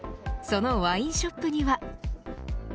そのワインショップには。